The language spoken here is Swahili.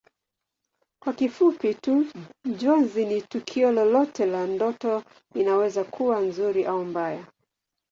Kwa kifupi tu Njozi ni tukio lolote la ndoto inaweza kuwa nzuri au mbaya